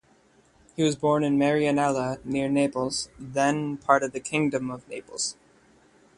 He was born in Marianella, near Naples, then part of the Kingdom of Naples.